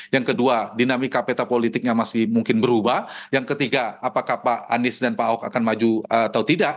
yang kedua dinamika peta politiknya masih mungkin berubah yang ketiga apakah pak anies dan pak ahok akan maju atau tidak